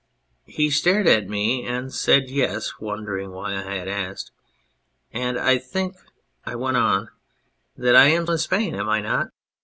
' He stared at me and said yes, wondering why I asked. ' And I think,' I went on, ' that I am in Spain, am I not